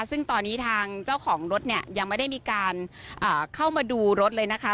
ซึ่งตอนนี้ทางเจ้าของรถเนี่ยยังไม่ได้มีการเข้ามาดูรถเลยนะคะ